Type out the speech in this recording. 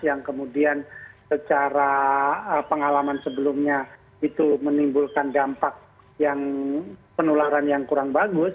yang kemudian secara pengalaman sebelumnya itu menimbulkan dampak yang penularan yang kurang bagus